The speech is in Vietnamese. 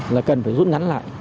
là cần phải rút ngắn lại